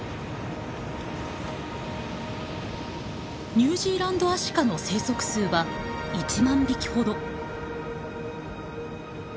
ニュージーランドアシカの生息数は１万匹ほど。